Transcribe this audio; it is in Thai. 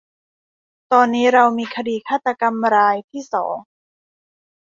ตอนนี้เรามีคดีฆาตกรรมรายที่สอง